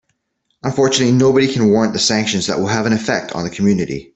Unfortunately, nobody can warrant the sanctions that will have an effect on the community.